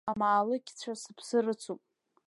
Амаалықьцәа сыԥсы рыцуп…